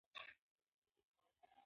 سهار د سترګو لید تازه کوي.